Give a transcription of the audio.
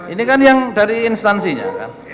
ini kan yang dari instansinya kan